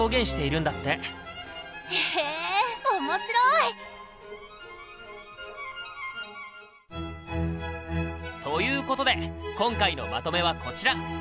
へえ面白い！ということで今回のまとめはこちら！